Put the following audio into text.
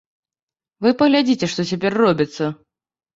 Вы паглядзіце, што цяпер робіцца.